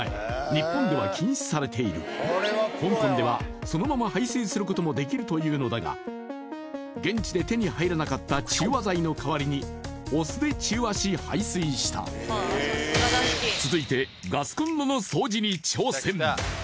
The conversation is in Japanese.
日本では禁止されている香港ではそのまま排水することもできるというのだが現地で手に入らなかった中和剤の代わりにお酢で中和し排水した続いてガスコンロの掃除に挑戦